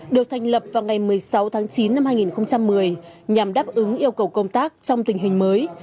được thành lập vào ngày một mươi sáu tháng chín năm hai nghìn một mươi nhằm đáp ứng yêu cầu công tác trong tình hình mới